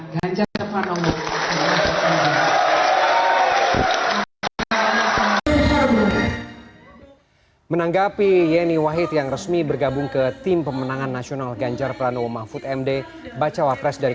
dan kita akan mencari